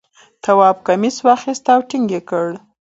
تواب کمیس واخیست او ټینګ یې کړ.